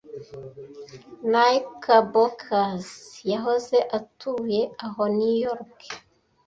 Knickerbockers yahoze atuye aho New York